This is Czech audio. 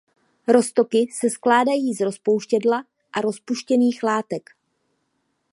Roztoky se skládají z rozpouštědla a rozpuštěných látek.